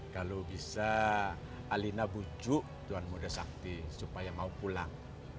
kalau bisa alina bujuk tuan muda sakti supaya mau pulang